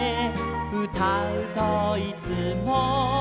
「うたうといつも」